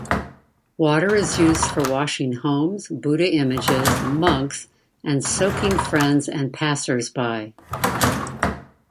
Water is used for washing homes, Buddha images, monks, and soaking friends and passers-by.